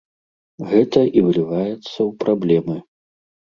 Гэта і выліваецца ў праблемы.